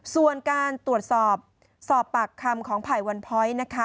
ส่วนการตรวจสอบสอบปากคำของไผ่วันพ้อยนะคะ